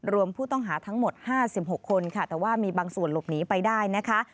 รวมผู้ต้องหาทั้งหมด๕๖คนค่ะแต่ว่ามีบางส่วนหลบหนีไปได้นะคะ